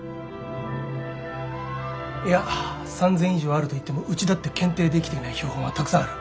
いや３，０００以上あると言ってもうちだって検定できていない標本はたくさんある。